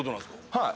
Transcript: はい。